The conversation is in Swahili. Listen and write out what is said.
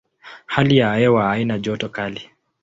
Hali ya hewa haina joto kali.